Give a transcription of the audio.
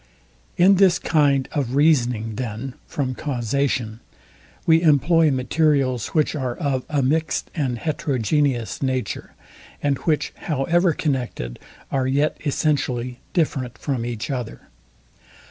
In this kind of reasoning, then, from causation, we employ materials, which are of a mixed and heterogeneous nature, and which, however connected, are yet essentially different from each other.